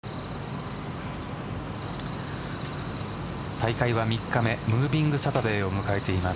大会は３日目ムービングサタデーを迎えています。